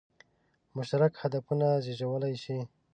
مشترک هدفونه زېږولای شي.